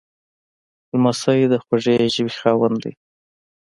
لمسی د خوږې ژبې خاوند وي.